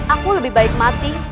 aku lebih baik mati